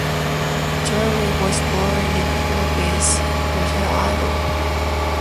Gerety was born in Providence, Rhode Island.